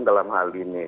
dalam hal ini